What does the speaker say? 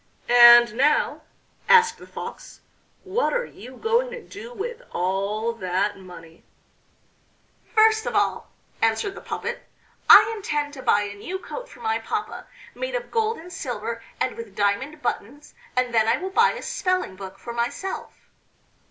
"And now," asked the Fox, "what are you going to do with all that money?" "First of all," answered the Puppet, "I intend to buy a new coat for my papa, made of gold and silver, and with diamond buttons, and then I will buy a spelling book for myself."